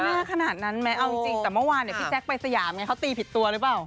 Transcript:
ขนาดนั้นไหมเอาจริงแต่เมื่อวานเนี่ยพี่แจ๊คไปสยามไงเขาตีผิดตัวหรือเปล่า